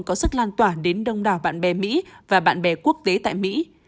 có sức lan tỏa đến đông đảo bạn bè mỹ và bạn bè quốc tế tại mỹ